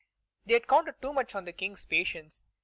They had counted too much on the King's patience.